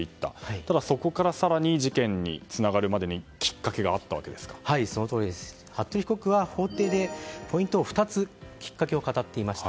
ただ、そこから更に事件につながるまでに服部被告は法廷でポイント、２つきっかけを語っていました。